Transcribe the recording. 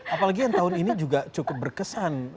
apalagi yang tahun ini juga cukup berkesan